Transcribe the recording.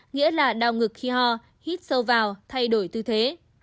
nghĩa là đau ngực khi ho hít sâu vào thay đổi tư thế